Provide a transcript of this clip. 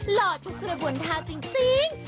หล่อทุกคนบวนเท้าจริง